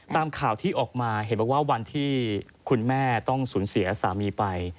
ตามข่าวที่ออกมาเห็นบอกว่าวันที่คุณแม่ต้องสูญเสียสามีไป